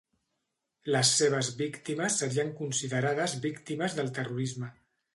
Les seves víctimes serien considerades víctimes del terrorisme.